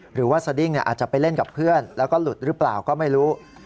สดิ้งอาจจะไปเล่นกับเพื่อนแล้วก็หลุดหรือเปล่าก็ไม่รู้